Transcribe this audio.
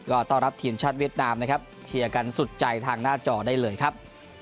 ก็ต้อนรับทีมชาติเวียดนามนะครับเคลียร์กันสุดใจทางหน้าจอได้เลยครับ